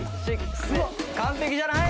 完璧じゃない？